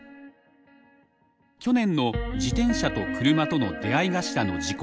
去年の自転車と車との出会い頭の事故。